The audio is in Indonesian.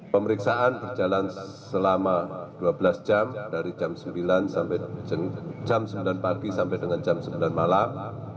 pemeriksaan berjalan selama dua belas jam dari jam sembilan sampai jam sembilan pagi sampai dengan jam sembilan malam